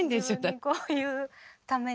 自分にこういうために。